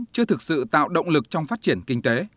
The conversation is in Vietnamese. chưa thực sự tạo động lực trong phát triển kinh tế